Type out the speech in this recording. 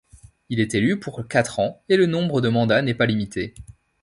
Il est élu pour quatre ans et le nombre de mandat n'est pas limité.